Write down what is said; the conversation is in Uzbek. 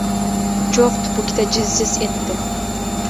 Cho‘g‘ tupukda jiz-jiz etdi.